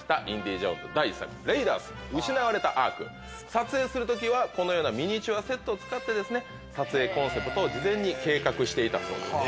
撮影する時はこのようなミニチュアセットを使って撮影コンセプトを事前に計画していたそうです。